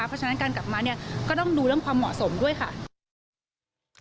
เพราะฉะนั้นการกลับมาเนี่ยก็ต้องดูเรื่องความเหมาะสมด้วยค่ะ